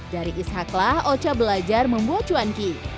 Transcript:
dari ishaklah ocha belajar membuat cuanki